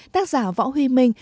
tác giả võ huy minh